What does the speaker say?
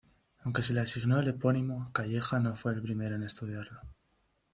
Aunque se le asignó el epónimo, Calleja no fue el primero en estudiarlo.